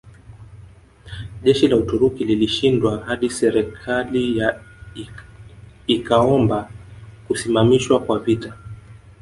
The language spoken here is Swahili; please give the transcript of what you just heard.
Jeshi la Uturuki lilishindwa hadi serikali ya ikaomba kusimamishwa kwa vita